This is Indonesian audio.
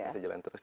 masih jalan terus